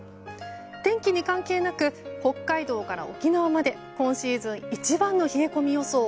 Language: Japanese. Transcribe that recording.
天気に関係なく北海道から沖縄まで今シーズン一番の冷え込み予想。